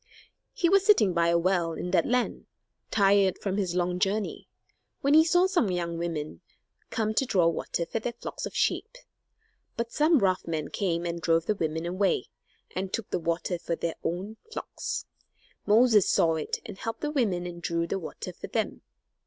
He was sitting by a well, in that land, tired from his long journey, when he saw some young women come to draw water for their flocks of sheep. But some rough men came, and drove the women away, and took the water for their own flocks. Moses saw it, and helped the women and drew the water for them.